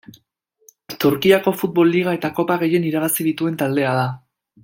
Turkiako futbol liga eta kopa gehien irabazi dituen taldea da.